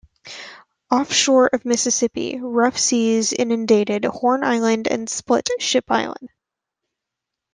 Offshore of Mississippi, rough seas inundated Horn Island and split Ship Island.